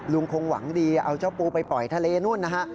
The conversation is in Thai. ลุงคงหวังดีเอาเจ้าปูไปปล่อยทะเลนู่นนะฮะ